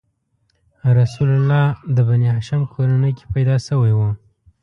رسول الله د بنیهاشم کورنۍ کې پیدا شوی و.